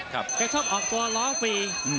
ก็ชอบออกกลัวล้อฟี